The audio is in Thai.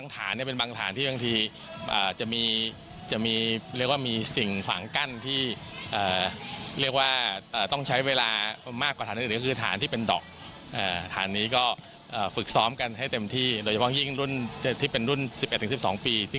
ตอนนี้ก็ฝึกซ้อมกันให้เต็มที่โดยเฉพาะยิ่งรุ่นที่เป็นรุ่น๑๑๑๒ปี